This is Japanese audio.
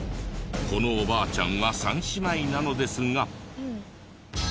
このおばあちゃんは３姉妹なのですが。